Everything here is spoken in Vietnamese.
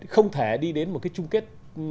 không thể đi đến một cái chung kết